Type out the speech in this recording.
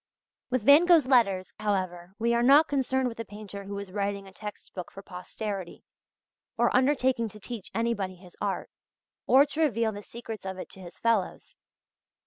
With Van Gogh's letters, however, we are not concerned with a painter who is writing a text book for posterity, or undertaking to teach anybody his art, or to reveal the secrets of it to his fellows.